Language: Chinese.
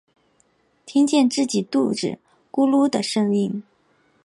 听见自己肚子的咕噜声